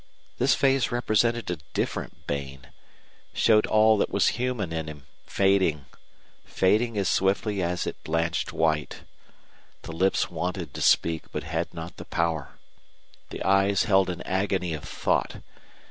This face represented a different Bain, showed all that was human in him fading, fading as swiftly as it blanched white. The lips wanted to speak, but had not the power. The eyes held an agony of thought.